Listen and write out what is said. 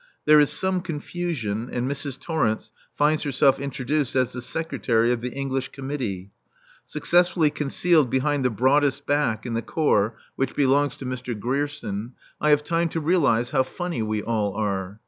There is some confusion, and Mrs. Torrence finds herself introduced as the Secretary of the English Committee. Successfully concealed behind the broadest back in the Corps, which belongs to Mr. Grierson, I have time to realize how funny we all are.